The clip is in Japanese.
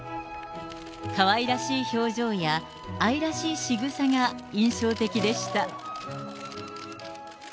かわいらしい表情や愛らしいしぐさが印象的でした。